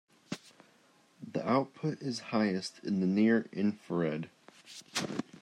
The output is highest in the near infrared.